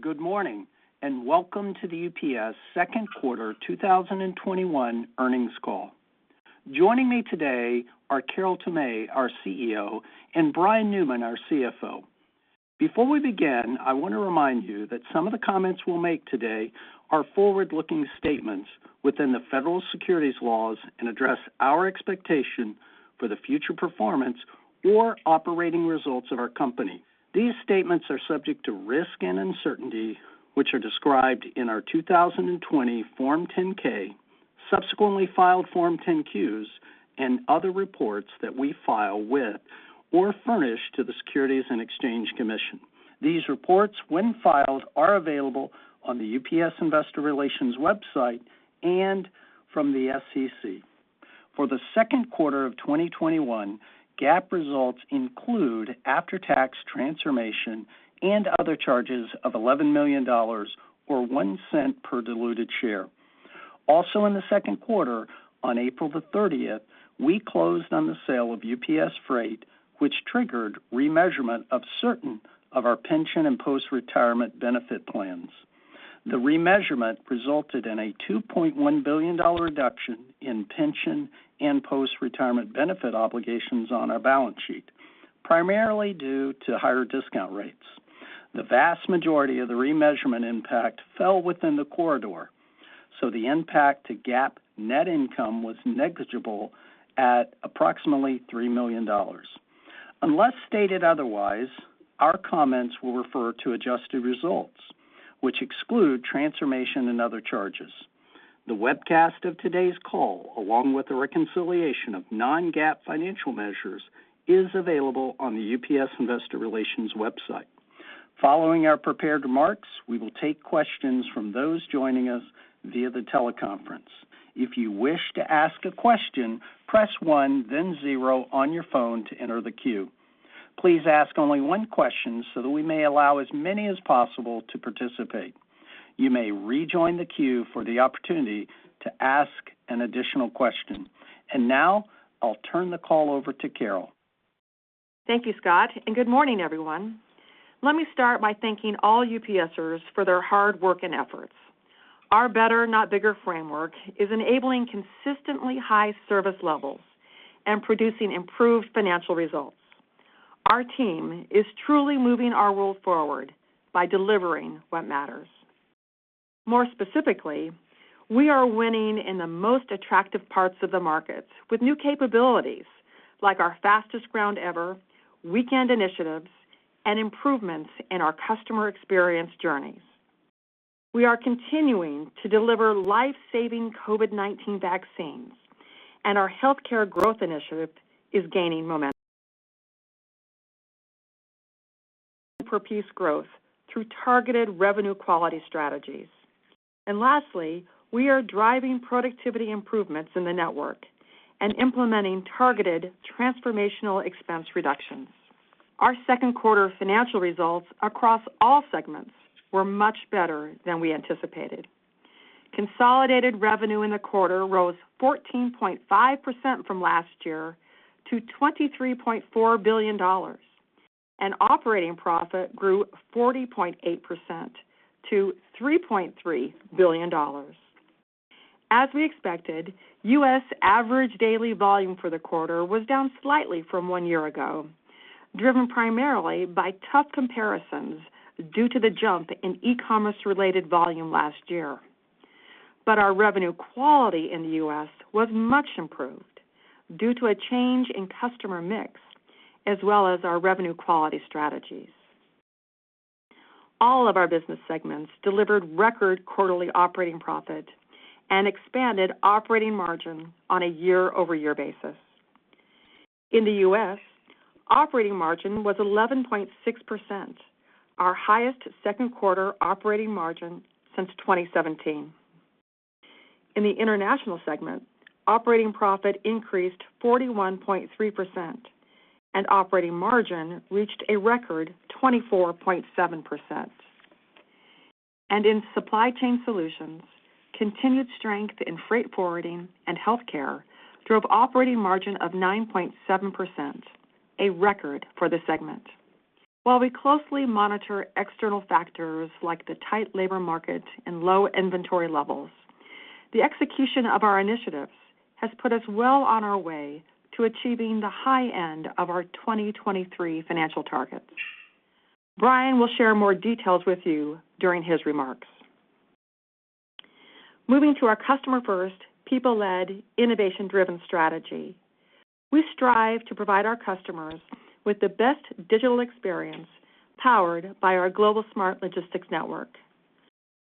Good morning, and welcome to the UPS second quarter 2021 earnings call. Joining me today are Carol Tomé, our CEO, and Brian Newman, our CFO. Before we begin, I want to remind you that some of the comments we'll make today are forward-looking statements within the federal securities laws and address our expectation for the future performance or operating results of our company. These statements are subject to risk and uncertainty, which are described in our 2020 Form 10-K, subsequently filed Form 10-Q, and other reports that we file with or furnish to the Securities and Exchange Commission. These reports, when filed, are available on the UPS investor relations website and from the SEC. For the second quarter of 2021, GAAP results include after-tax transformation and other charges of $11 million, or $0.01 per diluted share. Also in the second quarter, on April 30th, we closed on the sale of UPS Freight, which triggered remeasurement of certain of our pension and post-retirement benefit plans. The remeasurement resulted in a $2.1 billion reduction in pension and post-retirement benefit obligations on our balance sheet, primarily due to higher discount rates. The vast majority of the remeasurement impact fell within the corridor. The impact to GAAP net income was negligible at approximately $3 million. Unless stated otherwise, our comments will refer to adjusted results, which exclude transformation and other charges. The webcast of today's call, along with the reconciliation of non-GAAP financial measures, is available on the UPS investor relations website. Following our prepared remarks, we will take questions from those joining us via the teleconference. If you wish to ask a question, press one then zero on your phone to enter the queue. Please ask only one question so that we may allow as many as possible to participate. You may rejoin the queue for the opportunity to ask an additional question. Now I'll turn the call over to Carol. Thank you, Scott. Good morning, everyone. Let me start by thanking all UPSers for their hard work and efforts. Our better, not bigger framework is enabling consistently high service levels and producing improved financial results. Our team is truly moving our world forward by delivering what matters. More specifically, we are winning in the most attractive parts of the market with new capabilities like our fastest ground ever, weekend initiatives, and improvements in our customer experience journeys. We are continuing to deliver life-saving COVID-19 vaccines, and our healthcare growth initiative is gaining momentum. Per piece growth through targeted revenue quality strategies. Lastly, we are driving productivity improvements in the network and implementing targeted transformational expense reductions. Our second quarter financial results across all segments were much better than we anticipated. Consolidated revenue in the quarter rose 14.5% from last year to $23.4 billion. Operating profit grew 40.8% to $3.3 billion. As we expected, U.S. average daily volume for the quarter was down slightly from one year ago, driven primarily by tough comparisons due to the jump in e-commerce related volume last year. Our revenue quality in the U.S. was much improved due to a change in customer mix, as well as our revenue quality strategies. All of our business segments delivered record quarterly operating profit and expanded operating margin on a year-over-year basis. In the U.S., operating margin was 11.6%, our highest second quarter operating margin since 2017. In the international segment, operating profit increased 41.3% and operating margin reached a record 24.7%. In Supply Chain Solutions, continued strength in Freight Forwarding and Healthcare drove operating margin of 9.7%, a record for the segment. While we closely monitor external factors like the tight labor market and low inventory levels, the execution of our initiatives has put us well on our way to achieving the high end of our 2023 financial targets. Brian will share more details with you during his remarks. Moving to our customer first, people-led, innovation-driven strategy. We strive to provide our customers with the best digital experience powered by our global smart logistics network.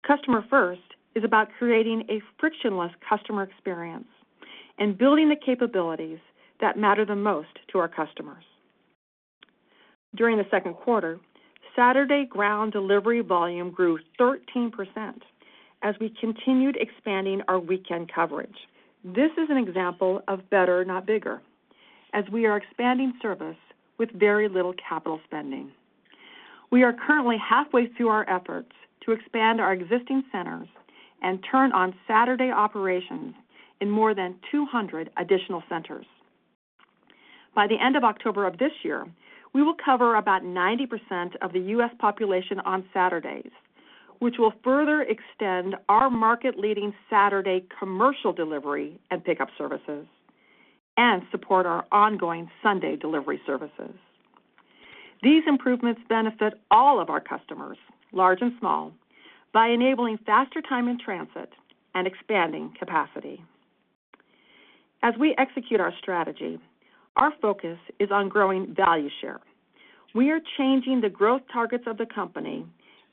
Customer first is about creating a frictionless customer experience and building the capabilities that matter the most to our customers. During the second quarter, Saturday ground delivery volume grew 13% as we continued expanding our weekend coverage. This is an example of better, not bigger, as we are expanding service with very little capital spending. We are currently halfway through our efforts to expand our existing centers and turn on Saturday operations in more than 200 additional centers. By the end of October of this year, we will cover about 90% of the U.S. population on Saturdays, which will further extend our market-leading Saturday commercial delivery and pickup services and support our ongoing Sunday delivery services. These improvements benefit all of our customers, large and small, by enabling faster time in transit and expanding capacity. As we execute our strategy, our focus is on growing value share. We are changing the growth targets of the company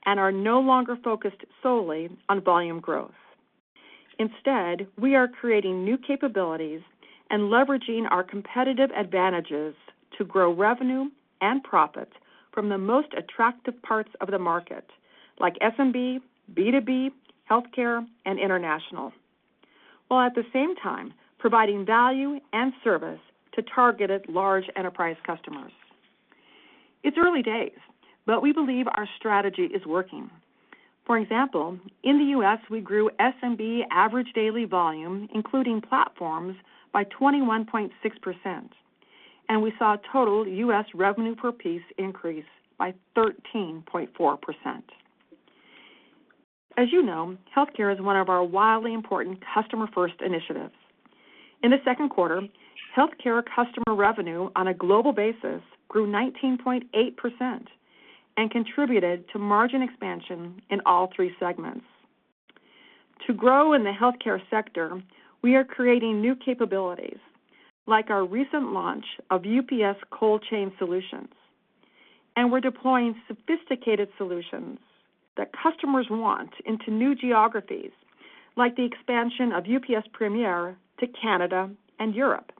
and are no longer focused solely on volume growth. Instead, we are creating new capabilities and leveraging our competitive advantages to grow revenue and profit from the most attractive parts of the market, like SMB, B2B, Healthcare, and International, while at the same time providing value and service to targeted large enterprise customers. It's early days, but we believe our strategy is working. For example, in the U.S., we grew SMB average daily volume, including platforms, by 21.6%, and we saw total U.S. revenue per piece increase by 13.4%. As you know, healthcare is one of our wildly important customer-first initiatives. In the second quarter, healthcare customer revenue on a global basis grew 19.8% and contributed to margin expansion in all three segments. To grow in the healthcare sector, we are creating new capabilities, like our recent launch of UPS Cold Chain Solutions. We're deploying sophisticated solutions that customers want into new geographies, like the expansion of UPS Premier to Canada and Europe.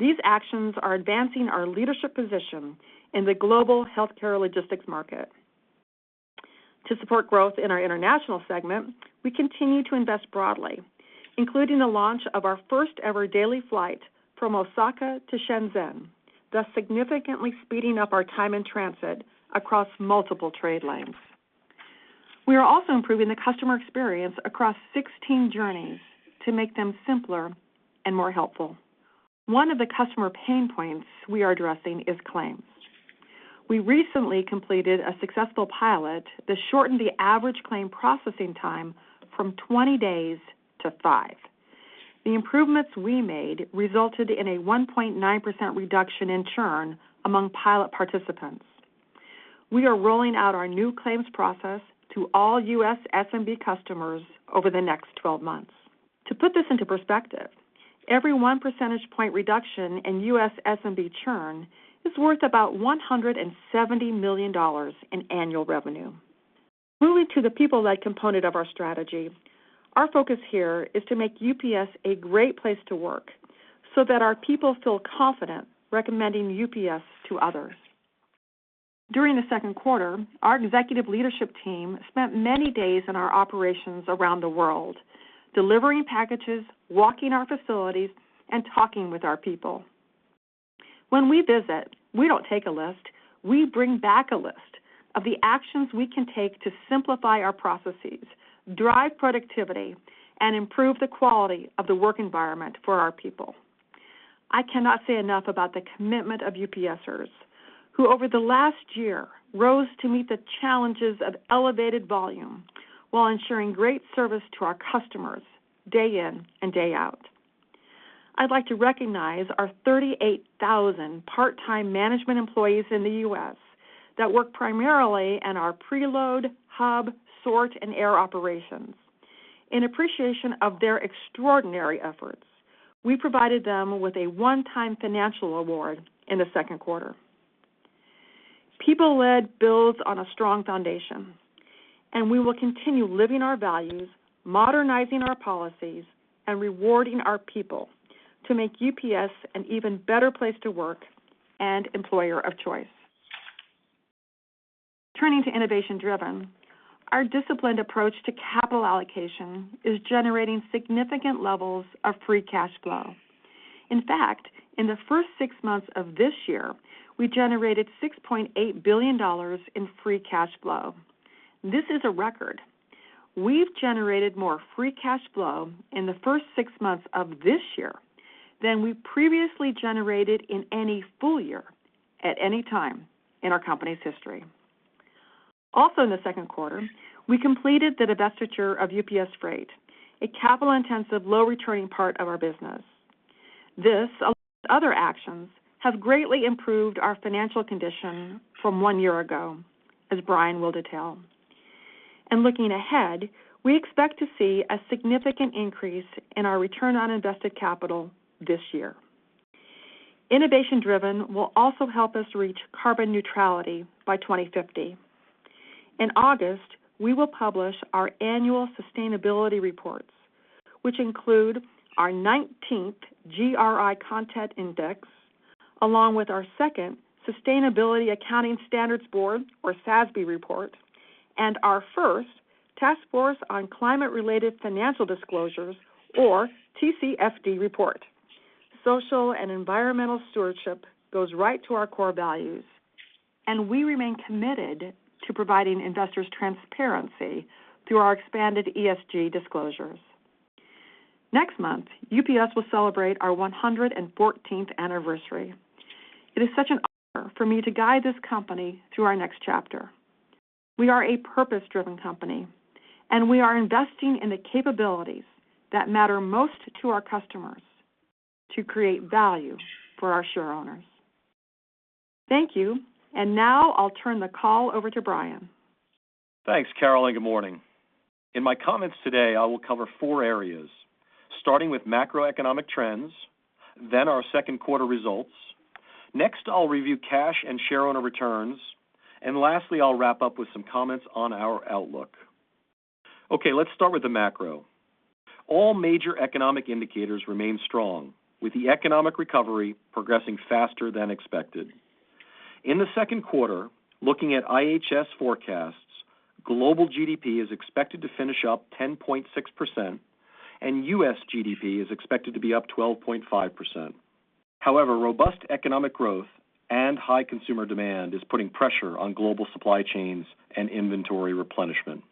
These actions are advancing our leadership position in the global healthcare logistics market. To support growth in our international segment, we continue to invest broadly, including the launch of our first ever daily flight from Osaka to Shenzhen, thus significantly speeding up our time in transit across multiple trade lanes. We are also improving the customer experience across 16 journeys to make them simpler and more helpful. One of the customer pain points we are addressing is claims. We recently completed a successful pilot that shortened the average claim processing time from 20 days to five. The improvements we made resulted in a 1.9% reduction in churn among pilot participants. We are rolling out our new claims process to all U.S. SMB customers over the next 12 months. To put this into perspective, every one percentage point reduction in U.S. SMB churn is worth about $170 million in annual revenue. Moving to the people-led component of our strategy, our focus here is to make UPS a great place to work so that our people feel confident recommending UPS to others. During the second quarter, our executive leadership team spent many days in our operations around the world, delivering packages, walking our facilities, and talking with our people. When we visit, we don't take a list. We bring back a list of the actions we can take to simplify our processes, drive productivity, and improve the quality of the work environment for our people. I cannot say enough about the commitment of UPSers, who over the last year rose to meet the challenges of elevated volume while ensuring great service to our customers day in and day out. I'd like to recognize our 38,000 part-time management employees in the U.S. that work primarily in our Preload, Hub, Sort, and Air operations. In appreciation of their extraordinary efforts, we provided them with a one-time financial award in the second quarter. People-led builds on a strong foundation, and we will continue living our values, modernizing our policies, and rewarding our people to make UPS an even better place to work and employer of choice. Turning to innovation-driven, our disciplined approach to capital allocation is generating significant levels of free cash flow. In fact, in the first six months of this year, we generated $6.8 billion in free cash flow. This is a record. We've generated more free cash flow in the first six months of this year than we previously generated in any full year at any time in our company's history. Also in the second quarter, we completed the divestiture of UPS Freight, a capital-intensive, low-returning part of our business. This, along with other actions, have greatly improved our financial condition from one year ago, as Brian will detail. Looking ahead, we expect to see a significant increase in our return on invested capital this year. Innovation-driven will also help us reach carbon neutrality by 2050. In August, we will publish our annual sustainability reports, which include our 19th GRI Content Index, along with our second Sustainability Accounting Standards Board, or SASB report, and our first Task Force on Climate-related Financial Disclosures, or TCFD report. Social and environmental stewardship goes right to our core values, and we remain committed to providing investors transparency through our expanded ESG disclosures. Next month, UPS will celebrate our 114th anniversary. It is such an honor for me to guide this company through our next chapter. We are a purpose-driven company, and we are investing in the capabilities that matter most to our customers to create value for our share owners. Thank you. Now I'll turn the call over to Brian. Thanks, Carol. Good morning. In my comments today, I will cover four areas, starting with macroeconomic trends, then our second quarter results. Next, I'll review cash and share owner returns. Lastly, I'll wrap up with some comments on our outlook. Okay. Let's start with the macro. All major economic indicators remain strong, with the economic recovery progressing faster than expected. In the second quarter, looking at IHS forecasts, global GDP is expected to finish up 10.6% and U.S. GDP is expected to be up 12.5%. However, robust economic growth and high consumer demand is putting pressure on global supply chains and inventory replenishment.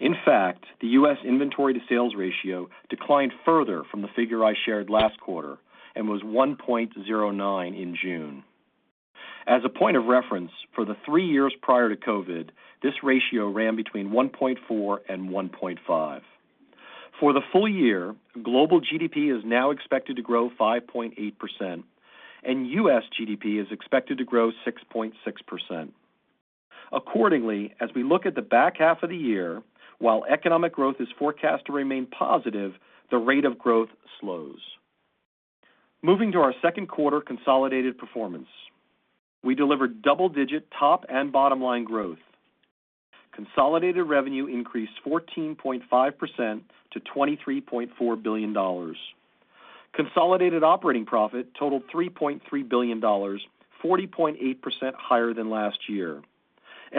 In fact, the U.S. inventory to sales ratio declined further from the figure I shared last quarter and was 1.09 in June. As a point of reference, for the three years prior to COVID, this ratio ran between 1.4 and 1.5. For the full year, global GDP is now expected to grow 5.8%, and U.S. GDP is expected to grow 6.6%. Accordingly, as we look at the back half of the year, while economic growth is forecast to remain positive, the rate of growth slows. Moving to our second quarter consolidated performance. We delivered double-digit top and bottom-line growth. Consolidated revenue increased 14.5% to $23.4 billion. Consolidated operating profit totaled $3.3 billion, 40.8% higher than last year.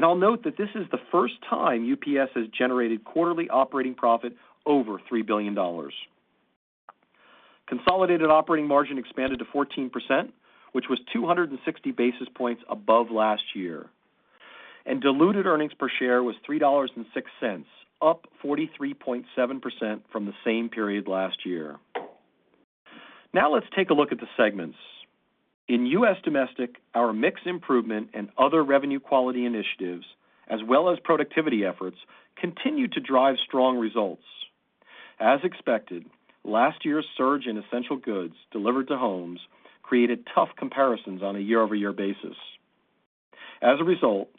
I'll note that this is the first time UPS has generated quarterly operating profit over $3 billion. Consolidated operating margin expanded to 14%, which was 260 basis points above last year. Diluted earnings per share was $3.06, up 43.7% from the same period last year. Now let's take a look at the segments. In U.S. Domestic, our mix improvement and other revenue quality initiatives, as well as productivity efforts, continued to drive strong results. As expected, last year's surge in essential goods delivered to homes created tough comparisons on a year-over-year basis. As a result,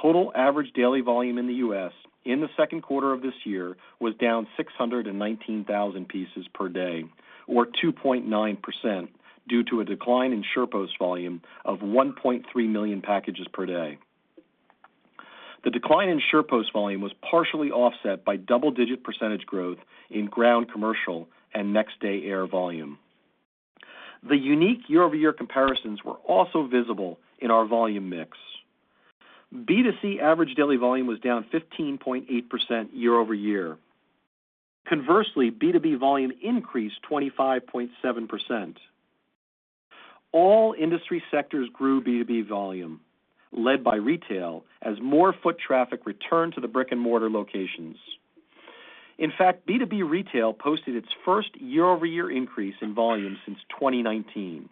total average daily volume in the U.S. in the second quarter of this year was down 619,000 pieces per day, or 2.9% due to a decline in SurePost volume of 1.3 million packages per day. The decline in SurePost volume was partially offset by double-digit percentage growth in ground commercial and Next Day Air volume. The unique year-over-year comparisons were also visible in our volume mix. B2C average daily volume was down 15.8% year-over-year. Conversely, B2B volume increased 25.7%. All industry sectors grew B2B volume, led by retail, as more foot traffic returned to the brick-and-mortar locations. In fact, B2B retail posted its first year-over-year increase in volume since 2019.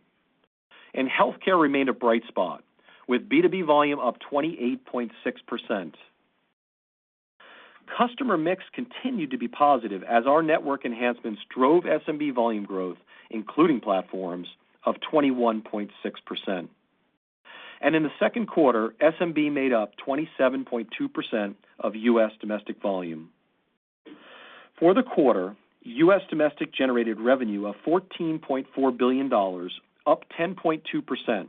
Healthcare remained a bright spot, with B2B volume up 28.6%. Customer mix continued to be positive as our network enhancements drove SMB volume growth, including platforms of 21.6%. In the second quarter, SMB made up 27.2% of U.S. Domestic volume. For the quarter, U.S. Domestic generated revenue of $14.4 billion, up 10.2%,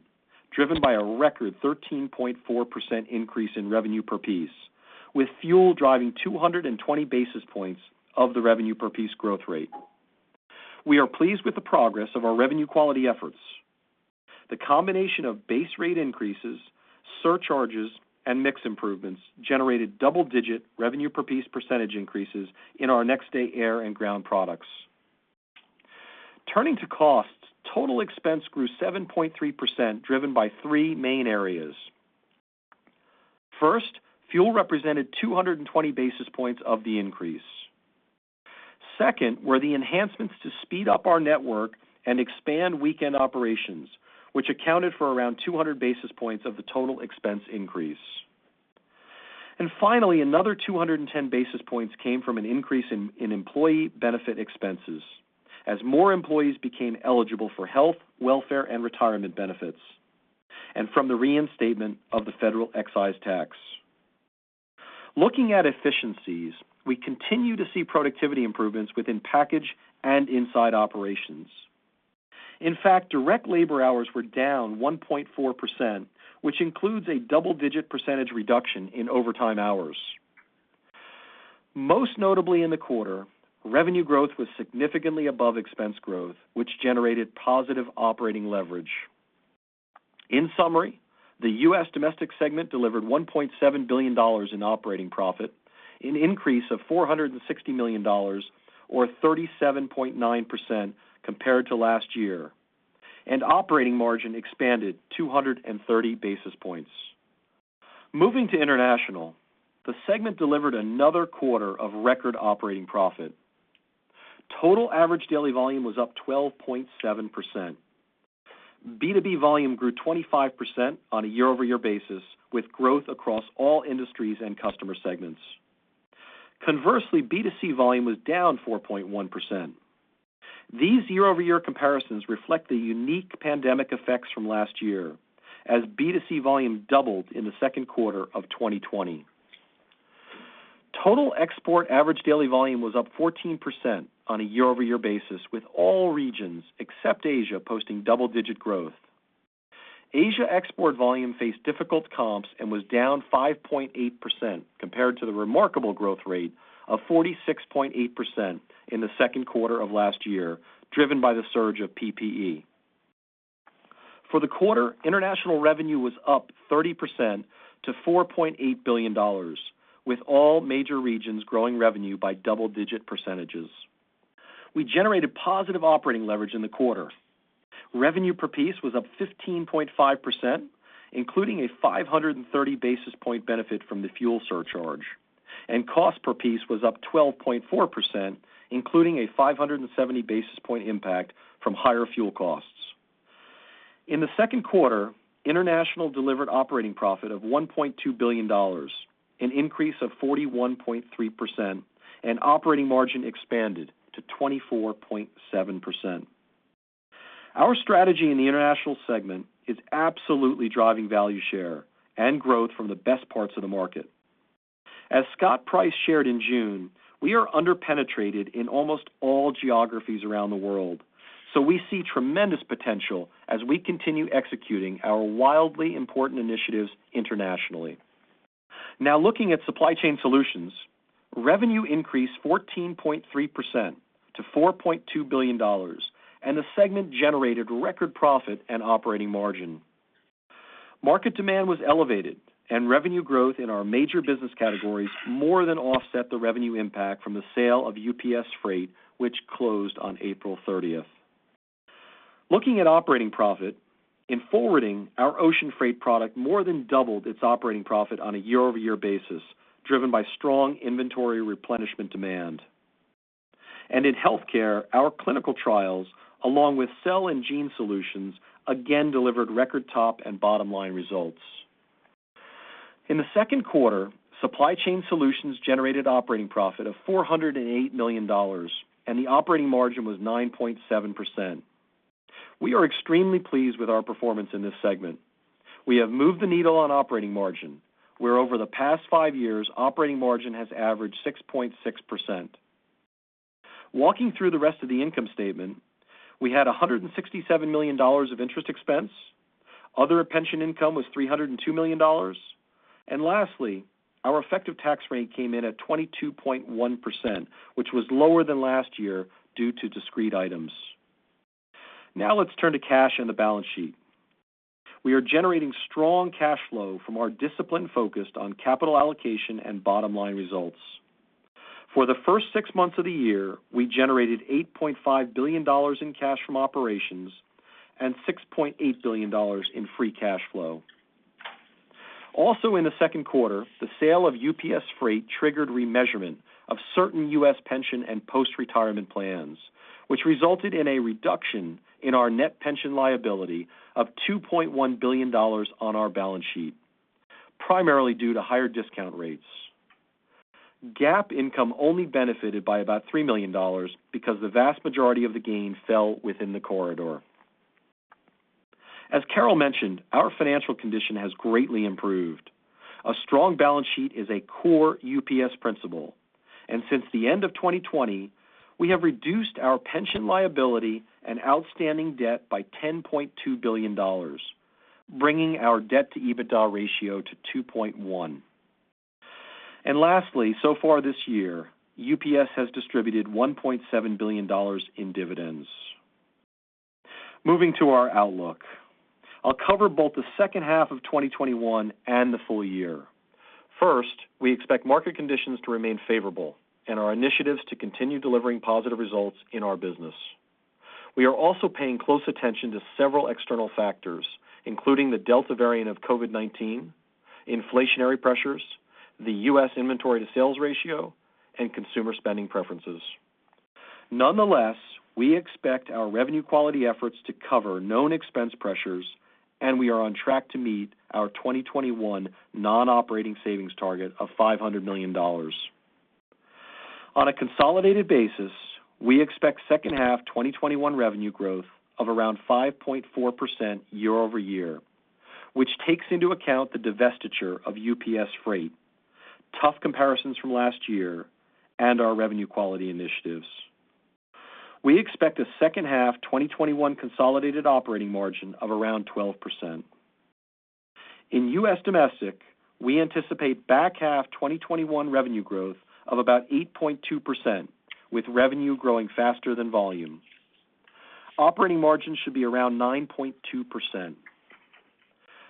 driven by a record 13.4% increase in revenue per piece, with fuel driving 220 basis points of the revenue per piece growth rate. We are pleased with the progress of our revenue quality efforts. The combination of base rate increases, surcharges, and mix improvements generated double-digit revenue per piece percentage increases in our Next Day Air and ground products. Turning to costs, total expense grew 7.3%, driven by three main areas. First, fuel represented 220 basis points of the increase. Second were the enhancements to speed up our network and expand weekend operations, which accounted for around 200 basis points of the total expense increase. Finally, another 210 basis points came from an increase in employee benefit expenses as more employees became eligible for health, welfare, and retirement benefits, and from the reinstatement of the federal excise tax. Looking at efficiencies, we continue to see productivity improvements within package and inside operations. In fact, direct labor hours were down 1.4%, which includes a double-digit percentage reduction in overtime hours. Most notably in the quarter, revenue growth was significantly above expense growth, which generated positive operating leverage. In summary, the U.S. Domestic Package segment delivered $1.7 billion in operating profit, an increase of $460 million or 37.9% compared to last year. Operating margin expanded 230 basis points. Moving to International, the segment delivered another quarter of record operating profit. Total average daily volume was up 12.7%. B2B volume grew 25% on a year-over-year basis, with growth across all industries and customer segments. Conversely, B2C volume was down 4.1%. These year-over-year comparisons reflect the unique pandemic effects from last year, as B2C volume doubled in the second quarter of 2020. Total export average daily volume was up 14% on a year-over-year basis, with all regions except Asia posting double-digit growth. Asia export volume faced difficult comps and was down 5.8% compared to the remarkable growth rate of 46.8% in the second quarter of last year, driven by the surge of PPE. For the quarter, international revenue was up 30% to $4.8 billion, with all major regions growing revenue by double-digit percentages. We generated positive operating leverage in the quarter. Revenue per piece was up 15.5%, including a 530 basis point benefit from the fuel surcharge, and cost per piece was up 12.4%, including a 570 basis point impact from higher fuel costs. In the second quarter, international delivered operating profit of $1.2 billion, an increase of 41.3%, and operating margin expanded to 24.7%. Our strategy in the international segment is absolutely driving value share and growth from the best parts of the market. As Scott Price shared in June, we are under-penetrated in almost all geographies around the world, so we see tremendous potential as we continue executing our wildly important initiatives internationally. Looking at Supply Chain Solutions, revenue increased 14.3% to $4.2 billion, and the segment generated record profit and operating margin. Market demand was elevated, and revenue growth in our major business categories more than offset the revenue impact from the sale of UPS Freight, which closed on April 30th. Looking at operating profit, in Forwarding, our ocean freight product more than doubled its operating profit on a year-over-year basis, driven by strong inventory replenishment demand. In Healthcare, our clinical trials, along with cell and gene solutions, again delivered record top and bottom-line results. In the second quarter, Supply Chain Solutions generated operating profit of $408 million, and the operating margin was 9.7%. We are extremely pleased with our performance in this segment. We have moved the needle on operating margin, where over the past five years, operating margin has averaged 6.6%. Walking through the rest of the income statement, we had $167 million of interest expense. Other pension income was $302 million. Lastly, our effective tax rate came in at 22.1%, which was lower than last year due to discrete items. Now let's turn to cash and the balance sheet. We are generating strong cash flow from our discipline focused on capital allocation and bottom-line results. For the first six months of the year, we generated $8.5 billion in cash from operations and $6.8 billion in free cash flow. In the second quarter, the sale of UPS Freight triggered remeasurement of certain U.S. pension and post-retirement plans, which resulted in a reduction in our net pension liability of $2.1 billion on our balance sheet, primarily due to higher discount rates. GAAP income only benefited by about $3 million because the vast majority of the gain fell within the corridor. As Carol mentioned, our financial condition has greatly improved. A strong balance sheet is a core UPS principle. Since the end of 2020, we have reduced our pension liability and outstanding debt by $10.2 billion, bringing our debt-to-EBITDA ratio to 2.1. Lastly, so far this year, UPS has distributed $1.7 billion in dividends. Moving to our outlook. I'll cover both the second half of 2021 and the full year. First, we expect market conditions to remain favorable and our initiatives to continue delivering positive results in our business. We are also paying close attention to several external factors, including the Delta variant of COVID-19, inflationary pressures, the U.S. inventory-to-sales ratio, and consumer spending preferences. Nonetheless, we expect our revenue quality efforts to cover known expense pressures, and we are on track to meet our 2021 non-operating savings target of $500 million. On a consolidated basis, we expect second half 2021 revenue growth of around 5.4% year-over-year, which takes into account the divestiture of UPS Freight, tough comparisons from last year, and our revenue quality initiatives. We expect a second half 2021 consolidated operating margin of around 12%. In U.S. Domestic, we anticipate back half 2021 revenue growth of about 8.2%, with revenue growing faster than volume. Operating margin should be around 9.2%.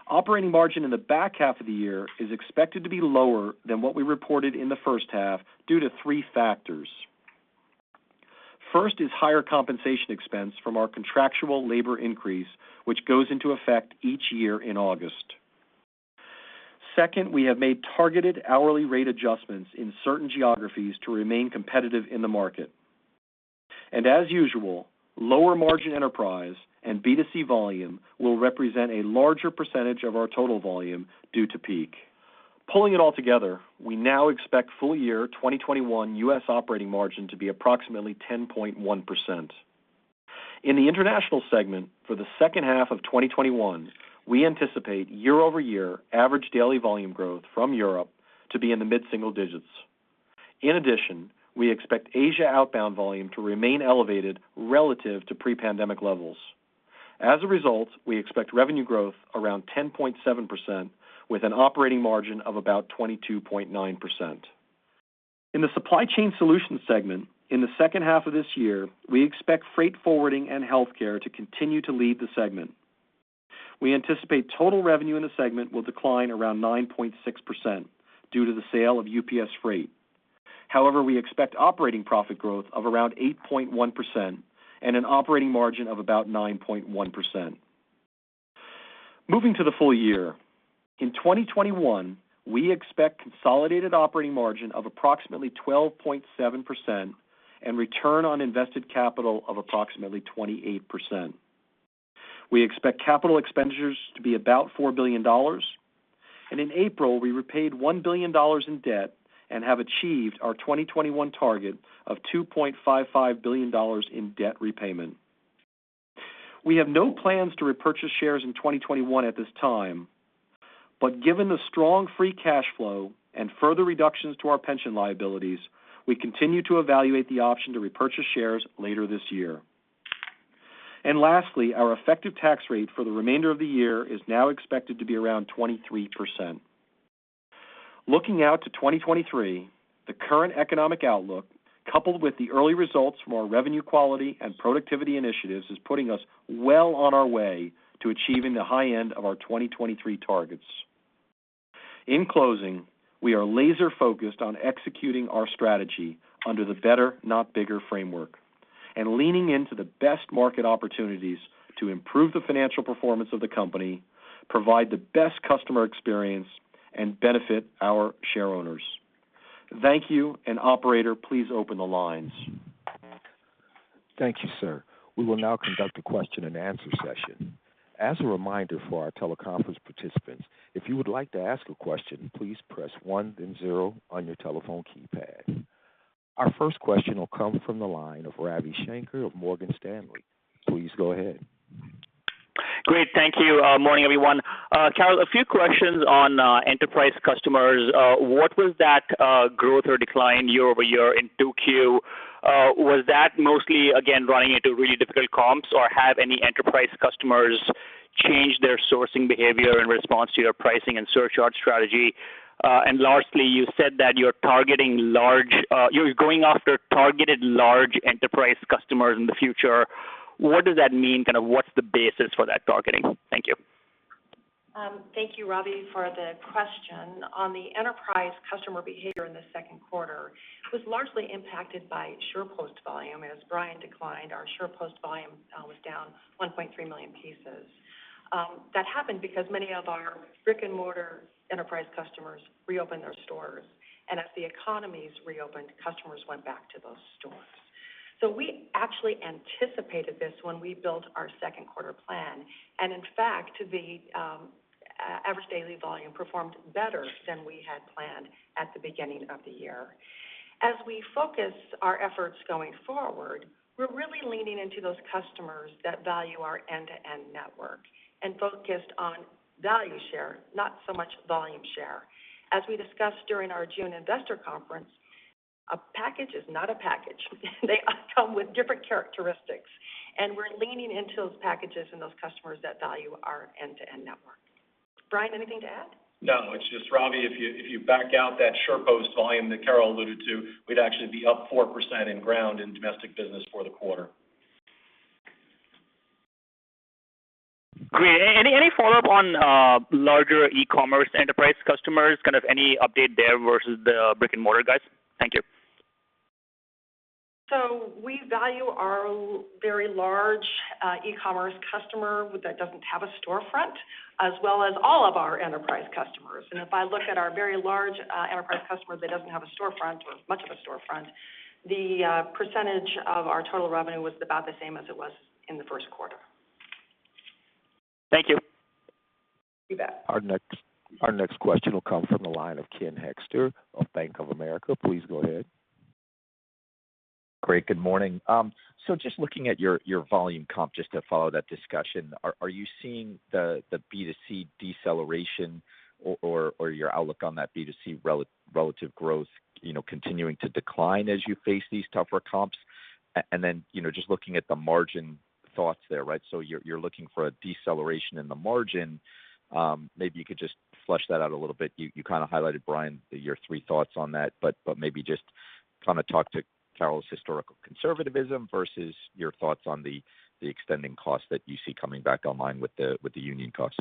Operating margin in the back half of the year is expected to be lower than what we reported in the first half due to three factors. First is higher compensation expense from our contractual labor increase, which goes into effect each year in August. Second, we have made targeted hourly rate adjustments in certain geographies to remain competitive in the market. As usual, lower margin enterprise and B2C volume will represent a larger percentage of our total volume due to peak. Pulling it all together, we now expect full year 2021 U.S. operating margin to be approximately 10.1%. In the International segment, for the second half of 2021, we anticipate year-over-year average daily volume growth from Europe to be in the mid-single digits. In addition, we expect Asia outbound volume to remain elevated relative to pre-pandemic levels. As a result, we expect revenue growth around 10.7% with an operating margin of about 22.9%. In the Supply Chain Solutions segment, in the second half of this year, we expect Freight Forwarding and Healthcare to continue to lead the segment. We anticipate total revenue in the segment will decline around 9.6% due to the sale of UPS Freight. However, we expect operating profit growth of around 8.1% and an operating margin of about 9.1%. Moving to the full year. In 2021, we expect consolidated operating margin of approximately 12.7% and return on invested capital of approximately 28%. We expect capital expenditures to be about $4 billion. In April, we repaid $1 billion in debt and have achieved our 2021 target of $2.55 billion in debt repayment. We have no plans to repurchase shares in 2021 at this time. Given the strong free cash flow and further reductions to our pension liabilities, we continue to evaluate the option to repurchase shares later this year. Lastly, our effective tax rate for the remainder of the year is now expected to be around 23%. Looking out to 2023, the current economic outlook, coupled with the early results from our revenue quality and productivity initiatives, is putting us well on our way to achieving the high end of our 2023 targets. In closing, we are laser-focused on executing our strategy under the Better Not Bigger framework, and leaning into the best market opportunities to improve the financial performance of the company, provide the best customer experience, and benefit our shareowners. Thank you, and operator, please open the lines. Thank you, sir. We will now conduct a question and answer session. As a reminder for our teleconference participants, if you would like to ask a question, please press one then zero on your telephone keypad. Our first question will come from the line of Ravi Shanker of Morgan Stanley. Please go ahead. Great, thank you. Morning, everyone. Carol, a few questions on enterprise customers. What was that growth or decline year-over-year in 2Q? Was that mostly, again, running into really difficult comps, or have any enterprise customers changed their sourcing behavior in response to your pricing and surcharge strategy? Lastly, you said that you're going after targeted large enterprise customers in the future. What does that mean? What's the basis for that targeting? Thank you. Thank you, Ravi, for the question. On the enterprise customer behavior in the second quarter, it was largely impacted by SurePost volume. As Brian declined, our SurePost volume was down 1.3 million pieces. That happened because many of our brick-and-mortar enterprise customers reopened their stores. As the economies reopened, customers went back to those stores. We actually anticipated this when we built our second quarter plan. In fact, the average daily volume performed better than we had planned at the beginning of the year. As we focus our efforts going forward, we're really leaning into those customers that value our end-to-end network and focused on value share, not so much volume share. As we discussed during our June Investor Conference, a package is not a package. They come with different characteristics, and we're leaning into those packages and those customers that value our end-to-end network. Brian, anything to add? No, it's just, Ravi, if you back out that SurePost volume that Carol alluded to, we'd actually be up 4% in ground in domestic business for the quarter. Great. Any follow-up on larger e-commerce enterprise customers? Any update there versus the brick-and-mortar guys? Thank you. We value our very large e-commerce customer that doesn't have a storefront, as well as all of our enterprise customers. If I look at our very large enterprise customer that doesn't have a storefront or much of a storefront, the percentage of our total revenue was about the same as it was in the first quarter. Thank you. You bet. Our next question will come from the line of Ken Hoexter of Bank of America. Please go ahead. Great. Good morning. Just looking at your volume comp, just to follow that discussion, are you seeing the B2C deceleration or your outlook on that B2C relative growth continuing to decline as you face these tougher comps? Then, just looking at the margin thoughts there, you're looking for a deceleration in the margin. Maybe you could just flesh that out a little bit. You kind of highlighted, Brian, your three thoughts on that, but maybe just talk to Carol's historical conservatism versus your thoughts on the extending costs that you see coming back online with the union costs.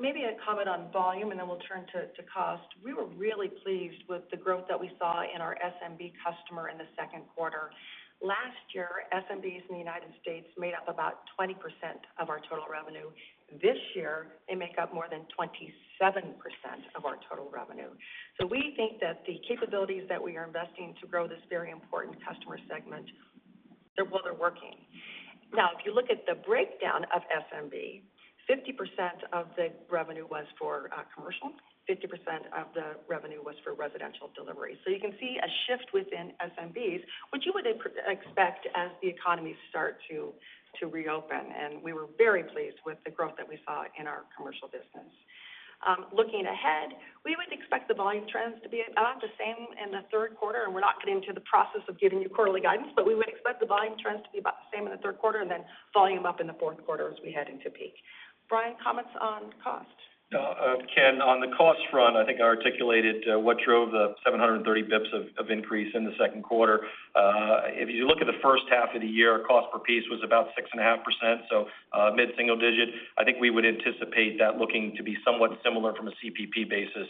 Maybe I'll comment on volume and then we'll turn to cost. We were really pleased with the growth that we saw in our SMB customer in the second quarter. Last year, SMBs in the U.S. made up about 20% of our total revenue. This year, they make up more than 27% of our total revenue. We think that the capabilities that we are investing to grow this very important customer segment, well, they're working. If you look at the breakdown of SMB, 50% of the revenue was for commercial, 50% of the revenue was for residential delivery. You can see a shift within SMBs, which you would expect as the economies start to reopen, and we were very pleased with the growth that we saw in our commercial business. Looking ahead, we would expect the volume trends to be about the same in the third quarter, and we're not getting into the process of giving you quarterly guidance, but we would expect the volume trends to be about the same in the third quarter and then volume up in the fourth quarter as we head into peak. Brian, comments on cost? Ken, on the cost front, I think I articulated what drove the 730 basis points of increase in the second quarter. If you look at the first half of the year, cost per piece was about 6.5%, so mid-single digit. I think we would anticipate that looking to be somewhat similar from a CPP basis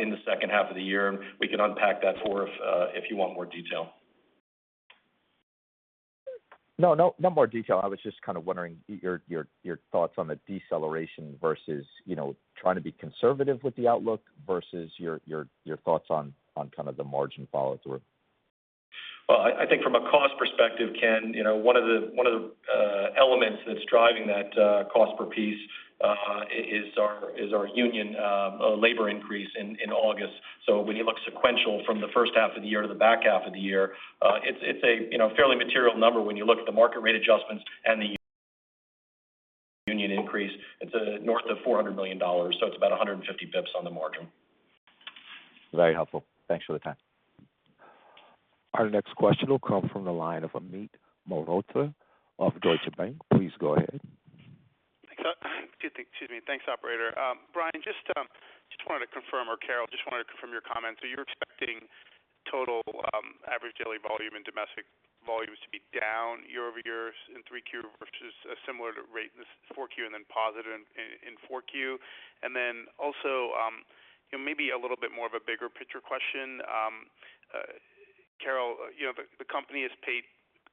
in the second half of the year. We can unpack that more if you want more detail. No more detail. I was just kind of wondering your thoughts on the deceleration versus trying to be conservative with the outlook versus your thoughts on kind of the margin follow through. Well, I think from a cost perspective, Ken, one of the elements that's driving that cost per piece is our union labor increase in August. When you look sequential from the first half of the year to the back half of the year, it's a fairly material number when you look at the market rate adjustments and the union increase. It's north of $400 million, it's about 150 basis points on the margin. Very helpful. Thanks for the time. Our next question will come from the line of Amit Mehrotra of Deutsche Bank. Please go ahead. Thanks, operator. Brian, just wanted to confirm, or Carol, just wanted to confirm your comments. You're expecting total average daily volume and domestic volumes to be down year-over-year in 3Q versus a similar rate in 4Q and then positive in 4Q. Also maybe a little bit more of a bigger picture question. Carol, the company has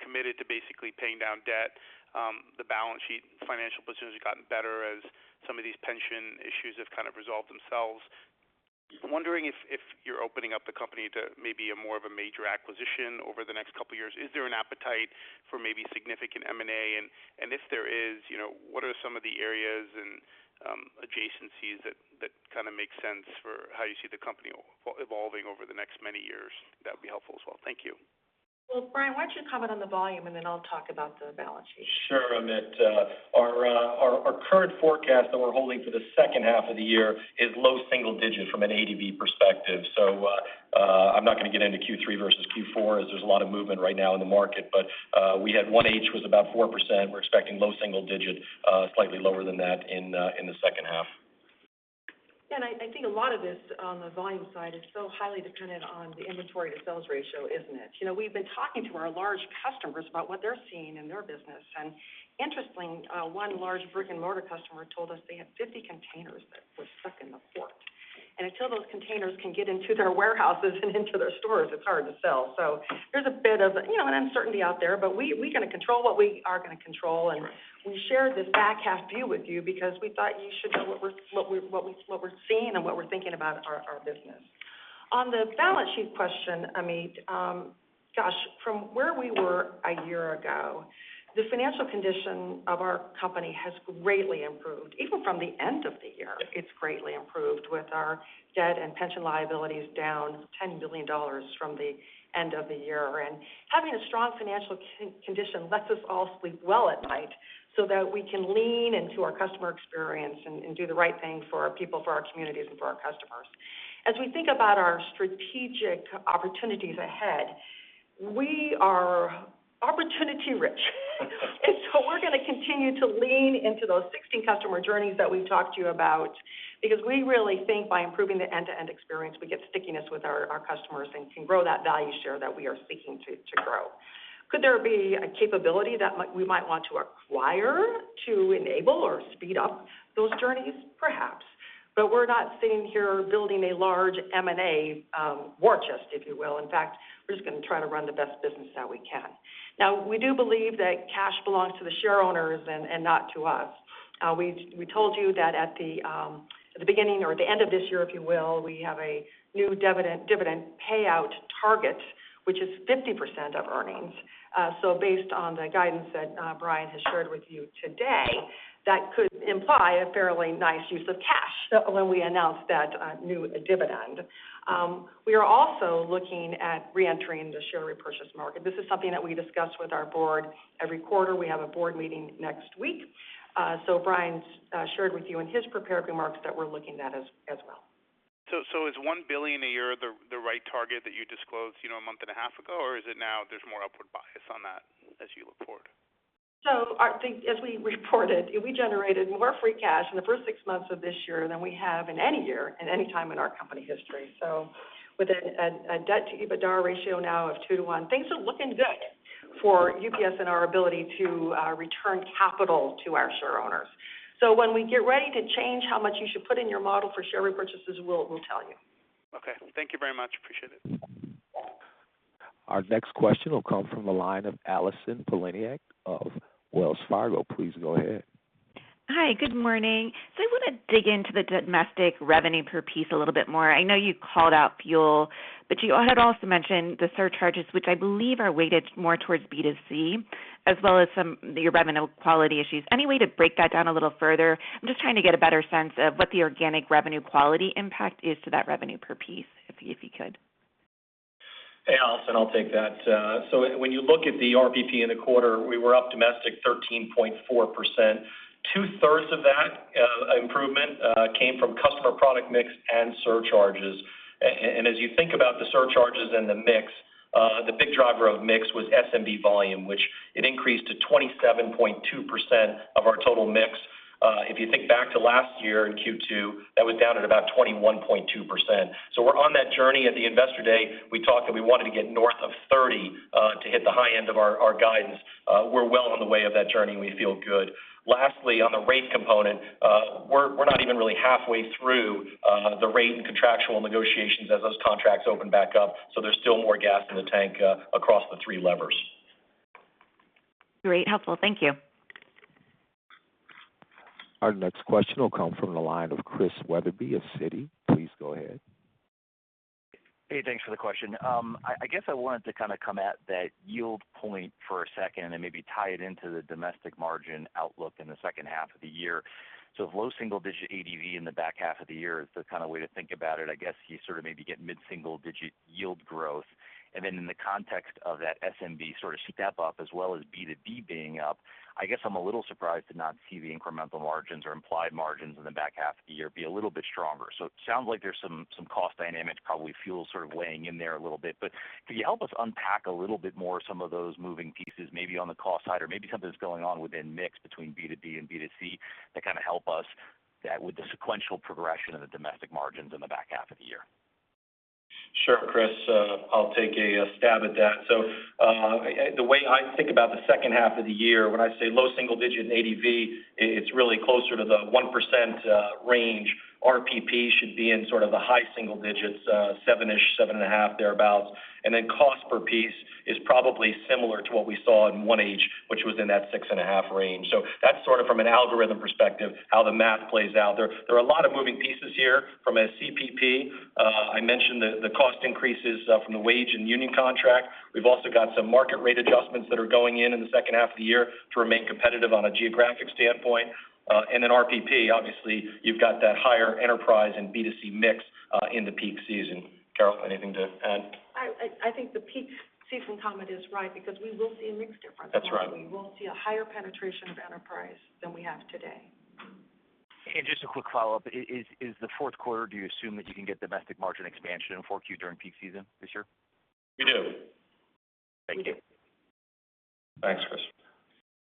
committed to basically paying down debt. The balance sheet financial position has gotten better as some of these pension issues have kind of resolved themselves. Wondering if you're opening up the company to maybe a more of a major acquisition over the next couple of years. Is there an appetite for maybe significant M&A? If there is, what are some of the areas and adjacencies that kind of make sense for how you see the company evolving over the next many years? That would be helpful as well. Thank you. Well, Brian, why don't you comment on the volume and then I'll talk about the balance sheet. Sure, Amit. Our current forecast that we're holding for the second half of the year is low single-digit from an ADV perspective. I'm not going to get into Q3 versus Q4 as there's a lot of movement right now in the market. We had 1H was about 4%. We're expecting low single-digit, slightly lower than that in the second half. I think a lot of this on the volume side is so highly dependent on the inventory to sales ratio, isn't it? We've been talking to our large customers about what they're seeing in their business. Interesting, one large brick and mortar customer told us they had 50 containers that were stuck in the port. Until those containers can get into their warehouses and into their stores, it's hard to sell. There's a bit of an uncertainty out there, but we kind of control what we are going to control. We shared this back half view with you because we thought you should know what we're seeing and what we're thinking about our business. On the balance sheet question, Amit, gosh, from where we were a year ago, the financial condition of our company has greatly improved. Even from the end of the year, it's greatly improved with our debt and pension liabilities down $10 billion from the end of the year. Having a strong financial condition lets us all sleep well at night so that we can lean into our customer experience and do the right thing for our people, for our communities, and for our customers. As we think about our strategic opportunities ahead, we are opportunity rich. We're going to continue to lean into those 16 customer journeys that we've talked to you about because we really think by improving the end-to-end experience, we get stickiness with our customers and can grow that value share that we are seeking to grow. Could there be a capability that we might want to acquire to enable or speed up those journeys? Perhaps, but we're not sitting here building a large M&A war chest, if you will. We're just going to try to run the best business that we can. We do believe that cash belongs to the share owners and not to us. We told you that at the beginning or the end of this year, if you will, we have a new dividend payout target, which is 50% of earnings. Based on the guidance that Brian has shared with you today, that could imply a fairly nice use of cash when we announce that new dividend. We are also looking at re-entering the share repurchase market. This is something that we discuss with our board every quarter. We have a board meeting next week. Brian's shared with you in his prepared remarks that we're looking at as well. Is $1 billion a year the right target that you disclosed a month and a half ago, or is it now there's more upward bias on that as you look forward? I think as we reported, we generated more free cash in the first six months of this year than we have in any year at any time in our company history. With a debt to EBITDA ratio now of 2:1, things are looking good for UPS and our ability to return capital to our share owners. When we get ready to change how much you should put in your model for share repurchases, we'll tell you. Okay. Thank you very much. Appreciate it. Our next question will come from the line of Allison Poliniak of Wells Fargo. Please go ahead. Hi, good morning. I want to dig into the domestic revenue per piece a little bit more. I know you called out fuel, but you had also mentioned the surcharges, which I believe are weighted more towards B2C, as well as some of your revenue quality issues. Any way to break that down a little further? I'm just trying to get a better sense of what the organic revenue quality impact is to that revenue per piece, if you could. Hey, Allison, I'll take that. When you look at the RPP in the quarter, we were up domestic 13.4%. Two-thirds of that improvement came from customer product mix and surcharges. As you think about the surcharges and the mix, the big driver of mix was SMB volume, which it increased to 27.2% of our total mix. If you think back to last year in Q2, that was down at about 21.2%. We're on that journey. At the Investor Day, we talked that we wanted to get north of 30% to hit the high end of our guidance. We're well on the way of that journey, and we feel good. Lastly, on the rate component, we're not even really halfway through the rate and contractual negotiations as those contracts open back up. There's still more gas in the tank across the three levers. Great. Helpful. Thank you. Our next question will come from the line of Chris Wetherbee of Citi. Please go ahead. Hey, thanks for the question. I guess I wanted to come at that yield point for a second and maybe tie it into the domestic margin outlook in the second half of the year. If low single-digit ADV in the back half of the year is the way to think about it, I guess you sort of maybe get mid-single-digit yield growth. In the context of that SMB sort of step-up as well as B2B being up, I guess I'm a little surprised to not see the incremental margins or implied margins in the back half of the year be a little bit stronger. It sounds like there's some cost dynamics, probably fuel sort of weighing in there a little bit. Could you help us unpack a little bit more some of those moving pieces, maybe on the cost side or maybe something that's going on within mix between B2B and B2C that kind of help us with the sequential progression of the domestic margins in the back half of the year? Sure, Chris. I'll take a stab at that. The way I think about the second half of the year, when I say low single-digit ADV, it's really closer to the 1% range. RPP should be in sort of the high single digits, 7-ish, 7.5, thereabouts. Then cost per piece is probably similar to what we saw in 1H, which was in that 6.5 range. That's sort of from an algorithm perspective how the math plays out. There are a lot of moving pieces here from a CPP. I mentioned the cost increases from the wage and union contract. We've also got some market rate adjustments that are going in in the second half of the year to remain competitive on a geographic standpoint. Then RPP, obviously you've got that higher enterprise and B2C mix in the peak season. Carol, anything to add? I think the peak season comment is right because we will see a mix difference. That's right. We will see a higher penetration of enterprise than we have today. Just a quick follow-up. Is the fourth quarter, do you assume that you can get domestic margin expansion in 4Q during peak season this year? We do. Thank you. Thanks, Chris.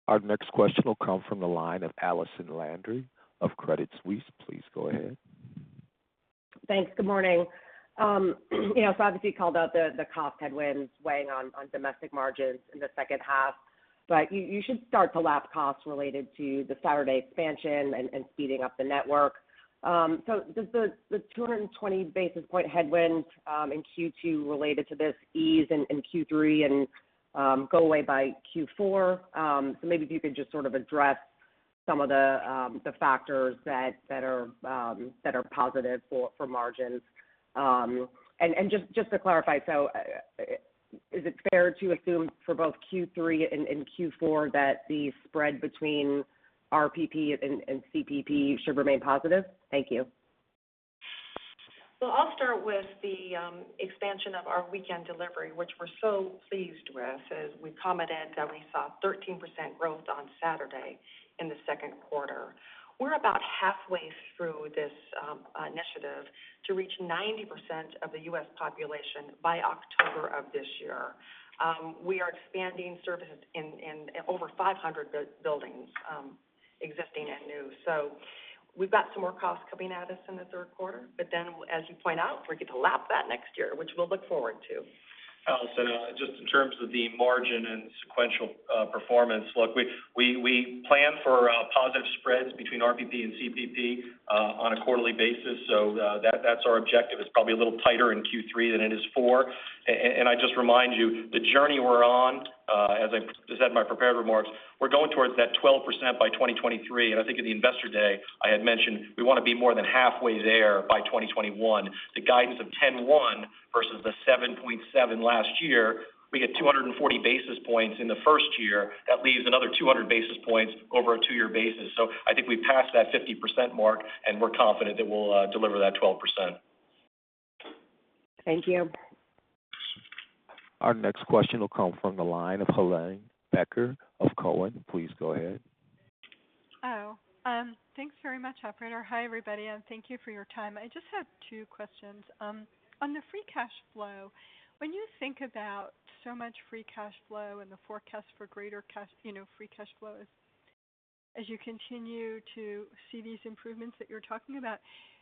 Our next question will come from the line of Allison Landry of Credit Suisse. Please go ahead. Thanks. Good morning. Obviously you called out the cost headwinds weighing on domestic margins in the second half, but you should start to lap costs related to the Saturday expansion and speeding up the network. Does the 220 basis points headwind in Q2 related to this ease in Q3 and go away by Q4? Maybe if you could just sort of address some of the factors that are positive for margins. Just to clarify, is it fair to assume for both Q3 and Q4 that the spread between RPP and CPP should remain positive? Thank you. I'll start with the expansion of our weekend delivery, which we're so pleased with, as we commented that we saw 13% growth on Saturday in the second quarter. We're about halfway through this initiative to reach 90% of the U.S. population by October of this year. We are expanding services in over 500 buildings, existing and new. We've got some more costs coming at us in the third quarter. As you point out, we get to lap that next year, which we'll look forward to. Allison, just in terms of the margin and sequential performance, we plan for positive spreads between RPP and CPP on a quarterly basis. That's our objective. It's probably a little tighter in Q3 than it is Q4. I just remind you, the journey we're on, as I said in my prepared remarks, we're going towards that 12% by 2023. I think at the Investor Day, I had mentioned we want to be more than halfway there by 2021. The guidance of 10.1% versus the 7.7% last year, we get 240 basis points in the first year. That leaves another 200 basis points over a two-year basis. I think we've passed that 50% mark, and we're confident that we'll deliver that 12%. Thank you. Our next question will come from the line of Helane Becker of Cowen. Please go ahead. Thanks very much, operator. Hi, everybody, thank you for your time. I just have two questions. On the free cash flow, when you think about so much free cash flow and the forecast for greater free cash flow as you continue to see these improvements that you're talking about,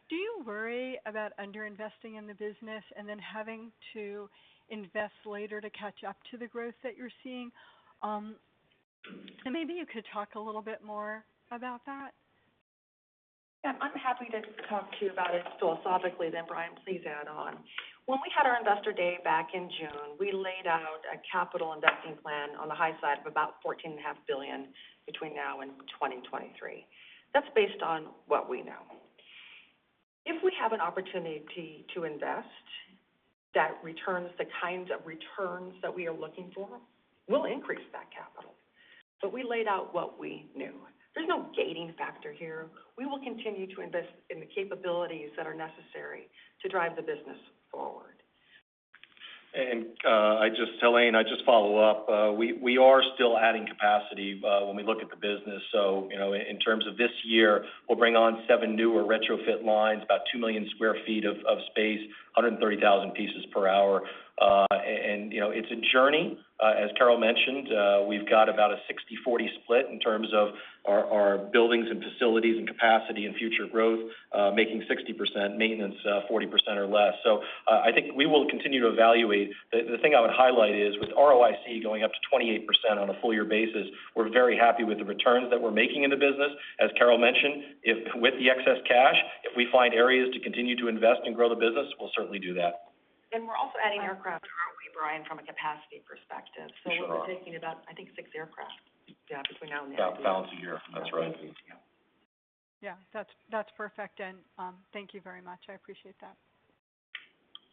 do you worry about under-investing in the business and then having to invest later to catch up to the growth that you're seeing? Maybe you could talk a little bit more about that. Yeah. I'm happy to talk to you about it philosophically, then Brian, please add on. When we had our Investor Day back in June, we laid out a capital investing plan on the high side of about $14.5 billion between now and 2023. That's based on what we know. If we have an opportunity to invest that returns the kinds of returns that we are looking for, we'll increase that capital. We laid out what we knew. There's no gating factor here. We will continue to invest in the capabilities that are necessary to drive the business forward. Helane, I'd just follow up. We are still adding capacity when we look at the business. In terms of this year, we'll bring on seven new or retrofit lines, about 2 million square feet of space, 130,000 pieces per hour. It's a journey. As Carol mentioned, we've got about a 60/40 split in terms of our buildings and facilities and capacity and future growth, making 60%, maintenance 40% or less. I think we will continue to evaluate. The thing I would highlight is with ROIC going up to 28% on a full year basis, we're very happy with the returns that we're making in the business. As Carol mentioned, with the excess cash, if we find areas to continue to invest and grow the business, we'll certainly do that. We're also adding aircraft, aren't we, Brian, from a capacity perspective? Sure. We'll be taking about, I think, six aircraft between now and the end of the year. About a year. That's right. Yeah. Yeah. That's perfect and thank you very much. I appreciate that.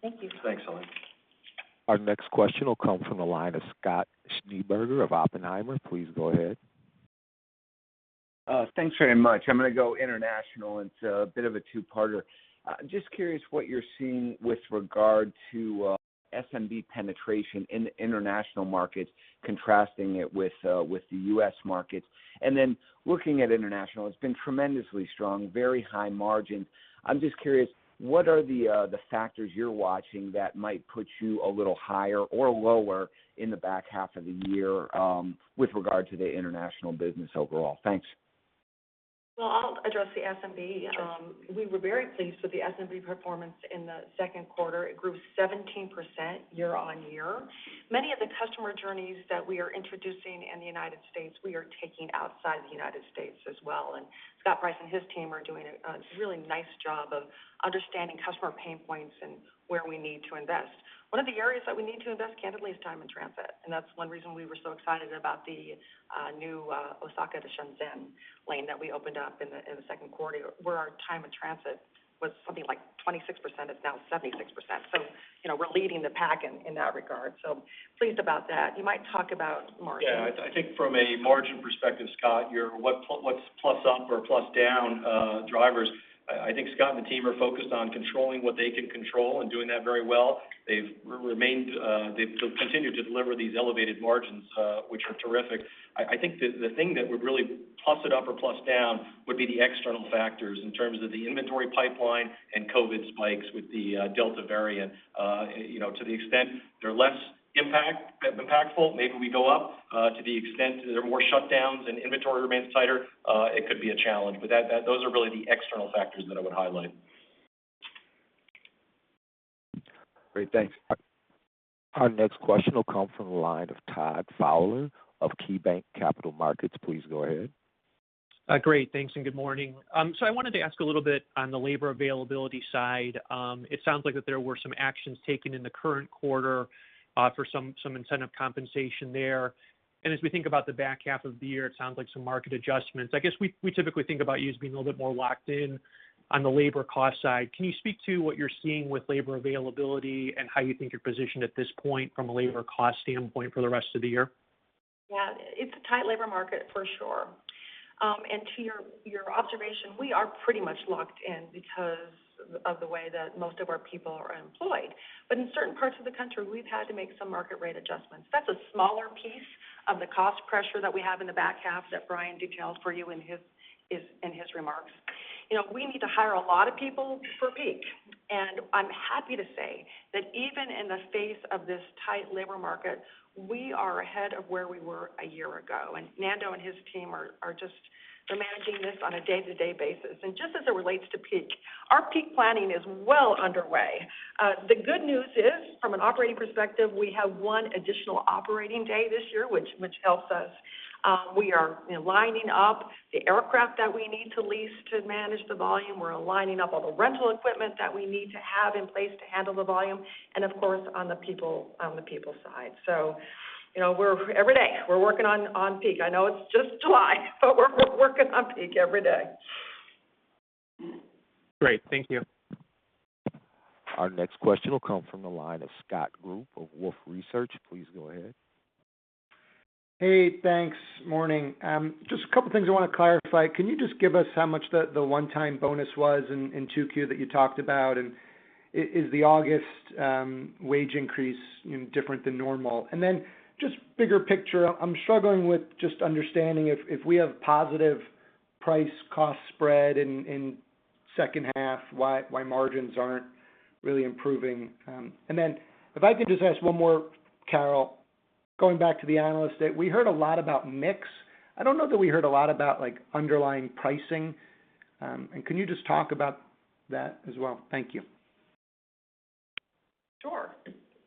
Thank you. Thanks, Helene. Our next question will come from the line of Scott Schneeberger of Oppenheimer. Please go ahead. Thanks very much. I'm going to go International. It's a bit of a two-parter. Just curious what you're seeing with regard to SMB penetration in the international markets, contrasting it with the U.S. market. Looking at international, it's been tremendously strong, very high margin. I'm just curious, what are the factors you're watching that might put you a little higher or lower in the back half of the year with regard to the international business overall? Thanks. Well, I'll address the SMB. We were very pleased with the SMB performance in the second quarter. It grew 17% year-on-year. Many of the customer journeys that we are introducing in the United States, we are taking outside the United States as well. Scott Price and his team are doing a really nice job of understanding customer pain points and where we need to invest. One of the areas that we need to invest, candidly, is time in transit, and that's one reason we were so excited about the new Osaka to Shenzhen lane that we opened up in the second quarter, where our time in transit was something like 26%, it's now 76%. We're leading the pack in that regard, so pleased about that. You might talk about margin. Yeah. I think from a margin perspective, Scott, your what's plus up or plus down drivers, I think Scott and the team are focused on controlling what they can control and doing that very well. They've continued to deliver these elevated margins, which are terrific. I think the thing that would really plus it up or plus down would be the external factors in terms of the inventory pipeline and COVID spikes with the Delta variant. To the extent they're less impactful, maybe we go up. To the extent there are more shutdowns and inventory remains tighter, it could be a challenge. Those are really the external factors that I would highlight. Great. Thanks. Our next question will come from the line of Todd Fowler of KeyBanc Capital Markets. Please go ahead. Great. Thanks and good morning. I wanted to ask a little bit on the labor availability side. It sounds like that there were some actions taken in the current quarter for some incentive compensation there. As we think about the back half of the year, it sounds like some market adjustments. I guess we typically think about you as being a little bit more locked in on the labor cost side. Can you speak to what you're seeing with labor availability and how you think you're positioned at this point from a labor cost standpoint for the rest of the year? Yeah. It's a tight labor market for sure. To your observation, we are pretty much locked in because of the way that most of our people are employed. In certain parts of the country, we've had to make some market rate adjustments. That's a smaller piece of the cost pressure that we have in the back half that Brian detailed for you in his remarks. We need to hire a lot of people for peak, and I'm happy to say that even in the face of this tight labor market, we are ahead of where we were a year ago. Nando and his team are managing this on a day-to-day basis. Just as it relates to peak, our peak planning is well underway. The good news is, from an operating perspective, we have one additional operating day this year, which helps us. We are lining up the aircraft that we need to lease to manage the volume. We're lining up all the rental equipment that we need to have in place to handle the volume, and of course, on the people side. Every day we're working on peak. I know it's just July, but we're working on peak every day. Great. Thank you. Our next question will come from the line of Scott Group of Wolfe Research. Please go ahead. Hey, thanks. Morning. Just a couple of things I want to clarify. Can you just give us how much the one-time bonus was in Q2 that you talked about, and is the August wage increase different than normal? Just bigger picture, I'm struggling with just understanding if we have positive price cost spread in the second half, why margins aren't really improving. If I could just ask one more, Carol, going back to the Analyst Day, we heard a lot about mix. I don't know that we heard a lot about underlying pricing. Can you just talk about that as well? Thank you. Sure.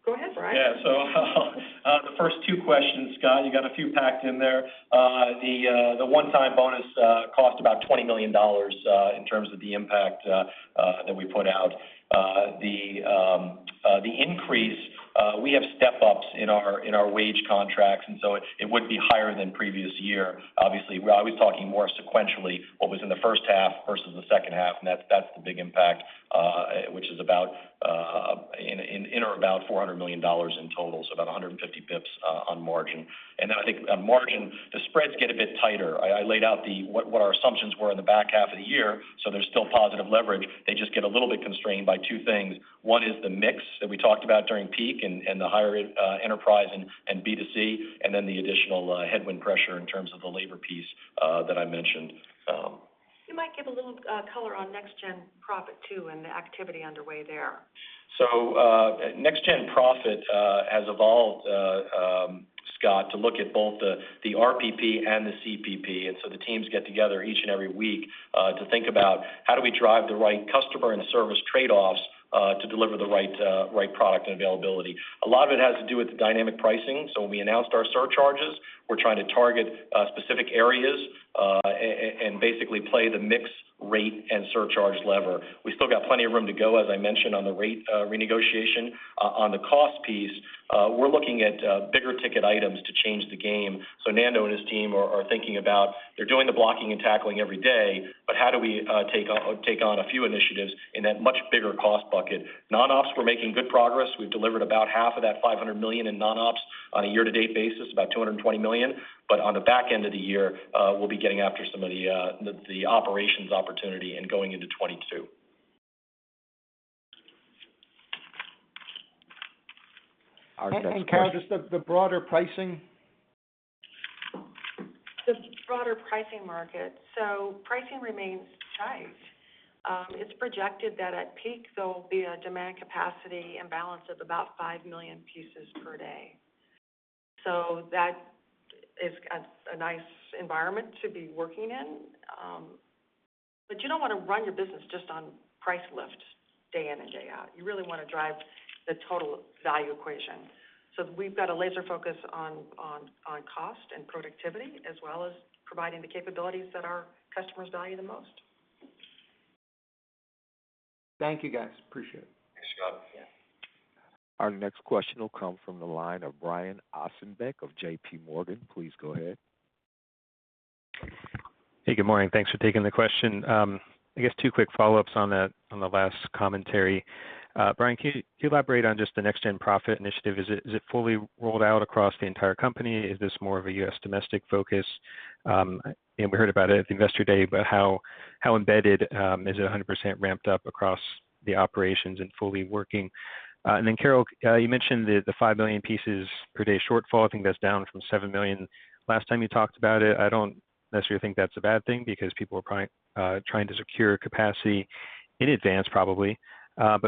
Go ahead, Brian. The first two questions, Scott, you got a few packed in there. The one-time bonus cost about $20 million in terms of the impact that we put out. The increase, we have step-ups in our wage contracts, it would be higher than previous year. Obviously, we're always talking more sequentially what was in the first half versus the second half, that's the big impact, which is in or about $400 million in total, about 150 basis points on margin. I think on margin, the spreads get a bit tighter. I laid out what our assumptions were in the back half of the year, there's still positive leverage. They just get a little bit constrained by two things. One is the mix that we talked about during peak and the higher enterprise and B2C, and then the additional headwind pressure in terms of the labor piece that I mentioned. You might give a little color on Next Gen Profit too and the activity underway there. Next Gen Profit has evolved, Scott, to look at both the RPP and the CPP, and so the teams get together each and every week to think about how do we drive the right customer and service trade-offs to deliver the right product and availability. A lot of it has to do with the dynamic pricing. When we announced our surcharges, we're trying to target specific areas and basically play the mix rate and surcharge lever. We still got plenty of room to go, as I mentioned on the rate renegotiation. On the cost piece, we're looking at bigger ticket items to change the game. Nando and his team are thinking about they're doing the blocking and tackling every day, but how do we take on a few initiatives in that much bigger cost bucket? Non-ops, we're making good progress. We've delivered about half of that $500 million in non-ops on a year-to-date basis, about $220 million. On the back end of the year, we'll be getting after some of the operations opportunity and going into 2022. Carol, just the broader pricing. The broader pricing market. Pricing remains tight. It's projected that at peak, there will be a demand capacity imbalance of about five million pieces per day. That is a nice environment to be working in. You don't want to run your business just on price lift day in and day out. You really want to drive the total value equation. We've got a laser focus on cost and productivity, as well as providing the capabilities that our customers value the most. Thank you, guys. Appreciate it. Thanks, Scott. Our next question will come from the line of Brian Ossenbeck of JPMorgan. Please go ahead. Hey, good morning. Thanks for taking the question. I guess two quick follow-ups on the last commentary. Brian, can you elaborate on just the Next Gen Profit initiative? Is it fully rolled out across the entire company? Is this more of a U.S. domestic focus? We heard about it at the Investor Day, but how embedded, is it 100% ramped up across the operations and fully working? Carol, you mentioned the five million pieces per day shortfall. I think that's down from seven million last time you talked about it. I don't necessarily think that's a bad thing because people are trying to secure capacity in advance probably.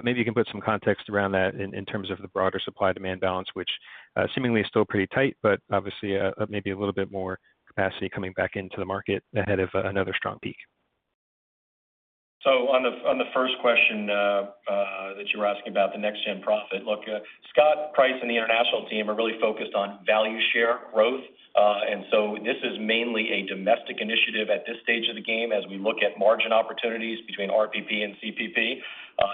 Maybe you can put some context around that in terms of the broader supply-demand balance, which seemingly is still pretty tight, but obviously maybe a little bit more capacity coming back into the market ahead of another strong peak. On the first question that you were asking about the Next Gen Profit. Look, Scott Price and the international team are really focused on value share growth. This is mainly a domestic initiative at this stage of the game as we look at margin opportunities between RPP and CPP.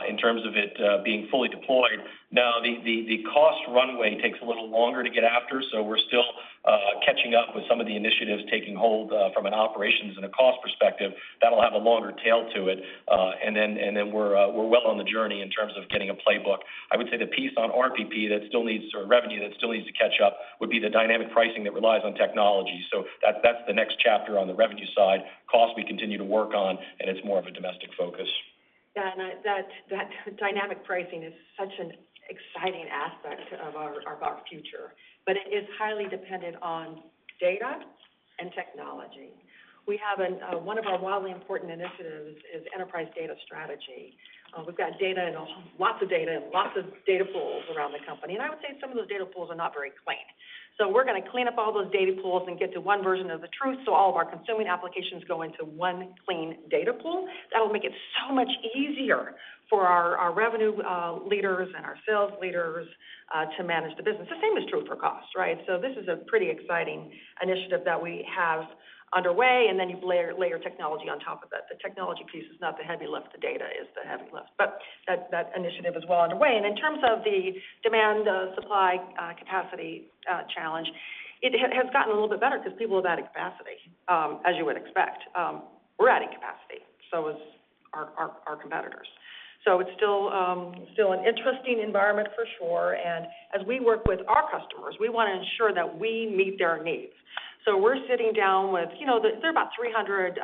In terms of it being fully deployed, no, the cost runway takes a little longer to get after. We're still catching up with some of the initiatives taking hold from an operations and a cost perspective. That'll have a longer tail to it. We're well on the journey in terms of getting a playbook. I would say the piece on RPP that still needs sort of revenue, that still needs to catch up would be the dynamic pricing that relies on technology. That's the next chapter on the revenue side. Cost we continue to work on, and it's more of a domestic focus. Yeah, that dynamic pricing is such an exciting aspect of our box future, but it is highly dependent on data and technology. One of our wildly important initiatives is Enterprise Data Strategy. We've got data and lots of data and lots of data pools around the company, and I would say some of those data pools are not very clean. We're going to clean up all those data pools and get to one version of the truth so all of our consuming applications go into one clean data pool. That will make it so much easier for our revenue leaders and our sales leaders to manage the business. The same is true for cost, right? This is a pretty exciting initiative that we have underway, and then you layer technology on top of it. The technology piece is not the heavy lift. The data is the heavy lift. That initiative is well underway. In terms of the demand supply capacity challenge, it has gotten a little bit better because people are adding capacity, as you would expect. We're adding capacity, so is our competitors. It's still an interesting environment for sure, and as we work with our customers, we want to ensure that we meet their needs. We're sitting down with, there are about 300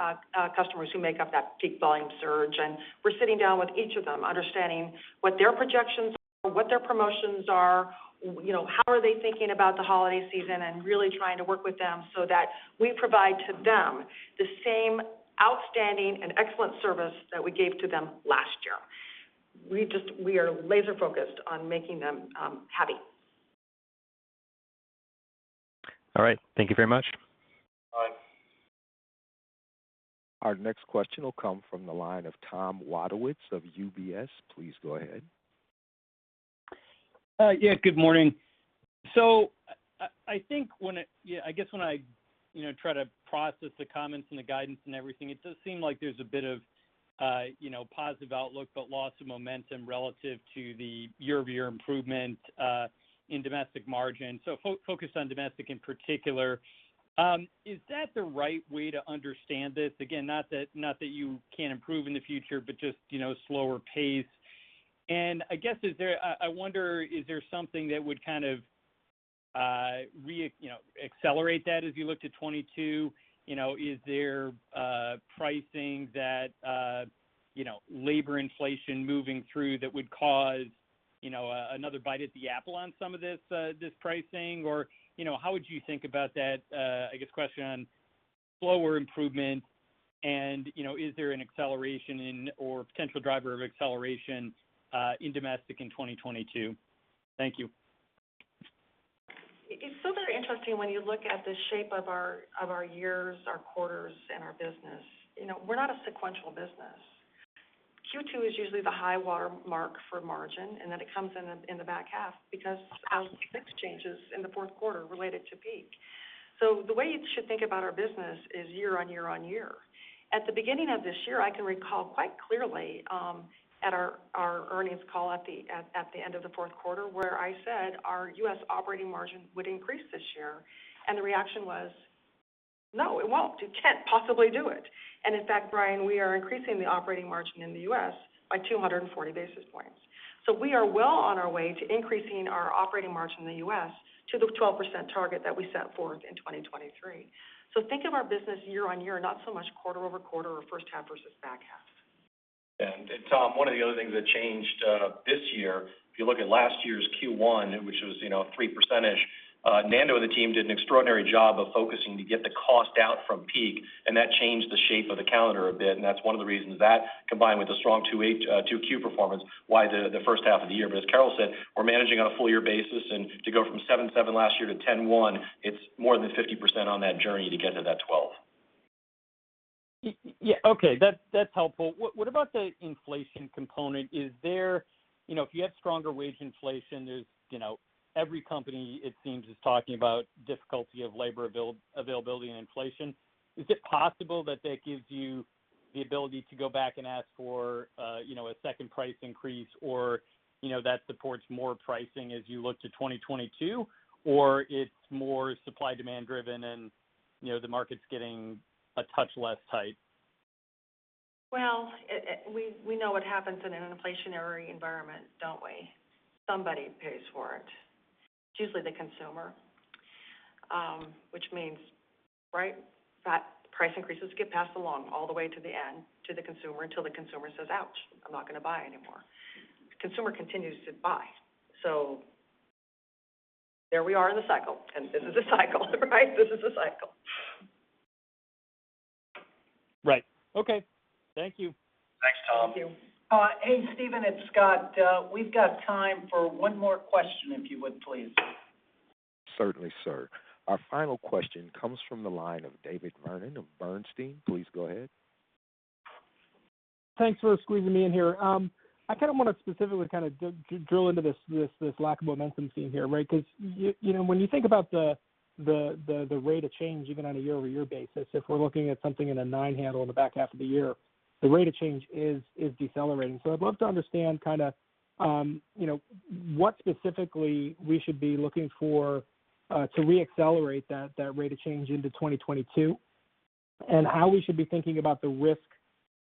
customers who make up that peak volume surge, and we're sitting down with each of them understanding what their projections are, what their promotions are, how are they thinking about the holiday season, and really trying to work with them so that we provide to them the same outstanding and excellent service that we gave to them last year. We are laser focused on making them happy. All right. Thank you very much. Bye. Our next question will come from the line of Tom Wadewitz of UBS. Please go ahead. Yeah. Good morning. I guess when I try to process the comments and the guidance and everything, it does seem like there's a bit of positive outlook, but loss of momentum relative to the year-over-year improvement in domestic margin. Focused on domestic in particular. Is that the right way to understand this? Again, not that you can't improve in the future, but just slower pace. I wonder, is there something that would kind of accelerate that as you look to 2022? Is there pricing that labor inflation moving through that would cause another bite at the apple on some of this pricing, or how would you think about that? I guess question on slower improvement and is there an acceleration in or potential driver of acceleration in domestic in 2022? Thank you. It's so very interesting when you look at the shape of our years, our quarters, and our business. We're not a sequential business. Q2 is usually the high water mark for margin, and then it comes in in the back half because our mix changes in the fourth quarter related to peak. The way you should think about our business is year-on-year-on-year. At the beginning of this year, I can recall quite clearly, at our earnings call at the end of the fourth quarter where I said our U.S. operating margin would increase this year, and the reaction was, "No, it won't. It can't possibly do it." In fact, Brian, we are increasing the operating margin in the U.S. by 240 basis points. We are well on our way to increasing our operating margin in the U.S. to the 12% target that we set forth in 2023. Think of our business year-on-year, not so much quarter-over-quarter or first half versus back half. Tom, one of the other things that changed this year, if you look at last year's Q1, which was 3%-ish, Nando and the team did an extraordinary job of focusing to get the cost out from peak, and that changed the shape of the calendar a bit, and that's one of the reasons that, combined with a strong 2Q performance, why the first half of the year. As Carol said, we're managing on a full year basis and to go from 7.7 last year to 10.1, it's more than 50% on that journey to get to that 12. Yeah. Okay. That's helpful. What about the inflation component? If you have stronger wage inflation, every company it seems is talking about difficulty of labor availability and inflation. Is it possible that that gives you the ability to go back and ask for a second price increase or that supports more pricing as you look to 2022, or it's more supply-demand driven and the market's getting a touch less tight? Well, we know what happens in an inflationary environment, don't we? Somebody pays for it. It's usually the consumer, which means price increases get passed along all the way to the end to the consumer until the consumer says, "Ouch, I'm not going to buy anymore." Consumer continues to buy. There we are in the cycle, and this is a cycle, right? Right. Okay. Thank you. Thanks, Tom. Thank you. Hey, Steven, it's Scott. We've got time for one more question, if you would, please. Certainly, sir. Our final question comes from the line of David Vernon of Bernstein. Please go ahead. Thanks for squeezing me in here. I kind of want to specifically drill into this lack of momentum theme here, right? Because when you think about the rate of change, even on a year-over-year basis, if we're looking at something in the nine handle in the back half of the year, the rate of change is decelerating. I'd love to understand what specifically we should be looking for to re-accelerate that rate of change into 2022 and how we should be thinking about the risk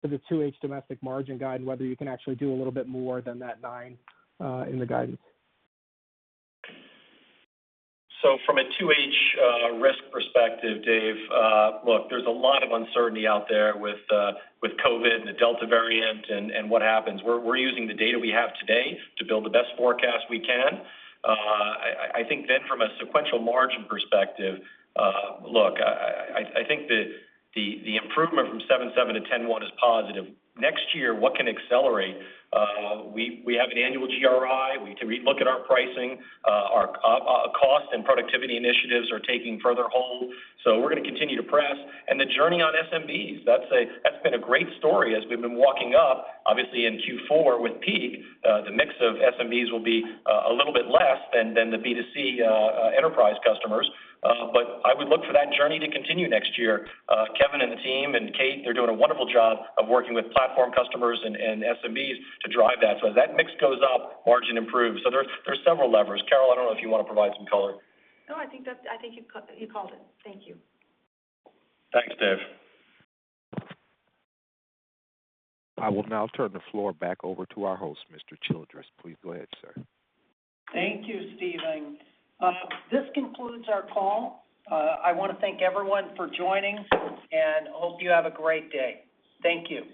of the 2H domestic margin guide and whether you can actually do a little bit more than that nine in the guidance. From a 2H risk perspective, David, look, there's a lot of uncertainty out there with COVID-19 and the Delta variant and what happens. We're using the data we have today to build the best forecast we can. I think from a sequential margin perspective, look, I think that the improvement from 7.7 to 10.1 is positive. Next year, what can accelerate? We have an annual GRI. We look at our pricing. Our cost and productivity initiatives are taking further hold. We're going to continue to press. The journey on SMBs, that's been a great story as we've been walking up. Obviously in Q4 with peak, the mix of SMBs will be a little bit less than the B2C enterprise customers. I would look for that journey to continue next year. Kevin and the team and Kate, they're doing a wonderful job of working with platform customers and SMBs to drive that. As that mix goes up, margin improves. There are several levers. Carol, I don't know if you want to provide some color. No, I think you called it. Thank you. Thanks, Dave. I will now turn the floor back over to our host, Mr. Childress. Please go ahead, sir. Thank you, Steven. This concludes our call. I want to thank everyone for joining, and hope you have a great day. Thank you.